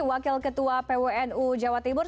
wakil ketua pwnu jawa timur